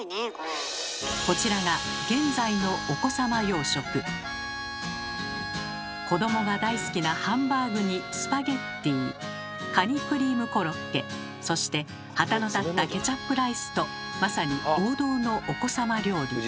こちらが子どもが大好きなハンバーグにスパゲッティカニクリームコロッケそして旗の立ったケチャップライスとまさに王道のお子様料理。